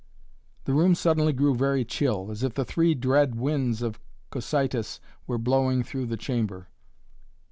The room suddenly grew very chill, as if the three dread winds of Cocytus were blowing through the chamber.